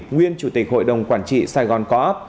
nguyên chủ tịch hội đồng quản trị sài gòn co op